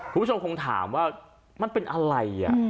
ต้องคงถามว่ามันเป็นอะไร